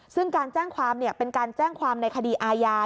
ซึ่งการแจ้งความเป็นการแจ้งความในคดีอาญา